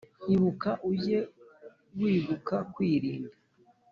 Ibuka ujye wibuka kwirinda ;